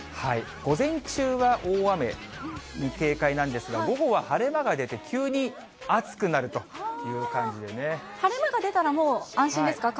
午前中は大雨に警戒なんですが、午後は晴れ間が出て急に暑く晴れ間が出たらもう安心です